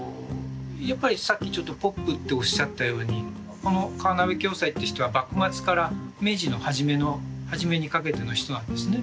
やっぱりさっきちょっとポップっておっしゃったようにこの河鍋暁斎って人は幕末から明治の初めにかけての人なんですね。